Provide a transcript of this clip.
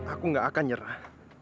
aku tidak akan menyerah